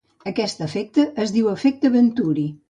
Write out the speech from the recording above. Aquest efecte es diu efecte Venturi.